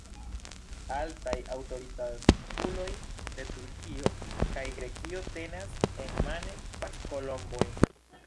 Altaj aŭtoritatuloj de Turkio kaj Grekio tenas enmane pac-kolombojn.